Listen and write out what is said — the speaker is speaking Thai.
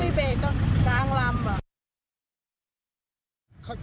เขาไม่เบรกต้องกางลำอ่ะ